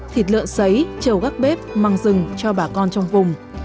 thịt lợn sấy trầu gắc bếp măng rừng cho bà con trong vùng